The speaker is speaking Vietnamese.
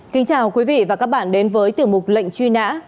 kính chào quý vị và các bạn đến với tiểu mục lệnh truy nã